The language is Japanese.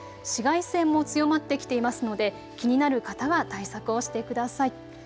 紫外線も強まってきていますので気になる方は対策をしてください。